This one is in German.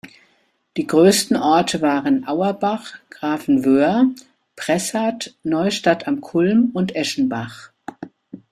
Die größten Orte waren Auerbach, Grafenwöhr, Pressath, Neustadt am Kulm und Eschenbach.